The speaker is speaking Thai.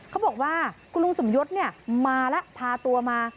เขาบอกว่าคุณลุงสมยศมาแล้วพาตัวมา